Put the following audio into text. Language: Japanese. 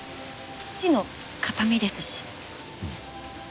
父の形見ですし。